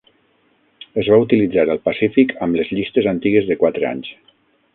Es va utilitzar al Pacífic amb les llistes antigues de quatre anys.